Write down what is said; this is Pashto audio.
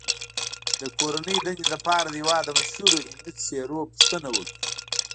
د کورنۍ دندې لپاره د هېواد د مشهورو علمي څیرو پوښتنه وکړئ.